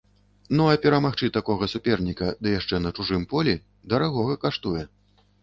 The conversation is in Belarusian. Ну а перамагчы такога суперніка, ды яшчэ на чужым полі, дарагога каштуе.